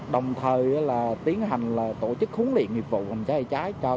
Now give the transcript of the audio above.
đồng thời là tiến hành tổ chức huấn luyện nghiệp vụ phòng cháy cháy